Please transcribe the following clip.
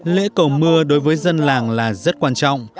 lễ cầu mưa đối với dân làng là rất quan trọng